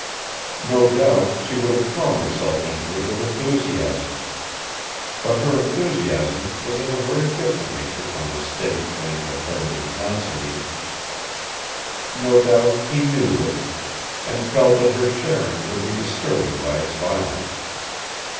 No doubt she would have thrown herself into it with enthusiasm; but her enthusiasm was of a very different nature from the steady flame that burned in Considine. No doubt he knew this, and felt that her sharing would be disturbing by its violence.